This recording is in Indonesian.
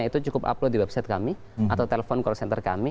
itu cukup upload di website kami atau telepon call center kami